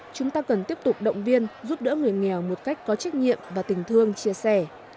chúng ta cần tiếp tục động viên giúp đỡ người nghèo một cách có trách nhiệm và tình thương chia sẻ